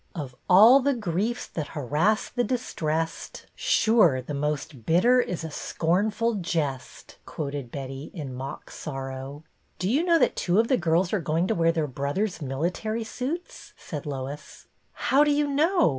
"' Of all the griefs that harass the distrest, Sure the most bitter is a scornful jest,'" quoted Betty, in mock sorrow. " Do you know that two of the girls are going to wear their brothers' military suits.'* " said Lois. "How do you know?